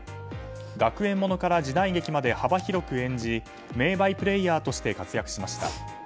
学園物から時代劇まで幅広く演じ名バイプレーヤーとして活躍しました。